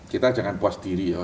kita jangan puas diri ya